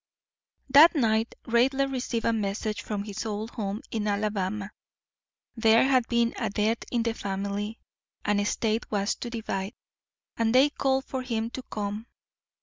That night Raidler received a message from his old home in Alabama. There had been a death in the family; an estate was to divide, and they called for him to come.